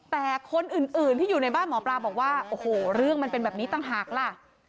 แต่คนอื่นที่อยู่ในบ้านหมอปลาบอกว่าโอ้โหเรื่องมันเป็นแบบนี้ต่างหากล่ะ